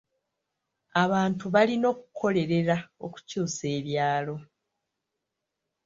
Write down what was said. Abantu balina okukolerera okukyusa ebyalo.